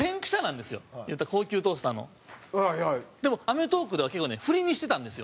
水田：でも『アメトーーク』では結構ね、フリにしてたんですよ。